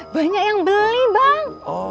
banyak yang beli bang